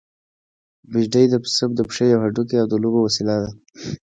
بېډۍ د پسه د پښې يو هډوکی او د لوبو وسيله ده.